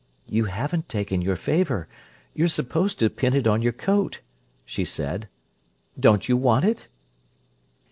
"You haven't taken your favour. You're supposed to pin it on your coat," she said. "Don't you want it?"